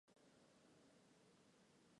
天蓝丛蛙区被发现。